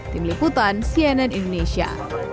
tim liputan cnn indonesia